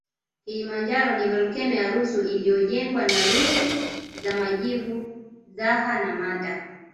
Kilimanjaro ni volkeno ya rusu iliyojengwa na rusu za majivu zaha na mata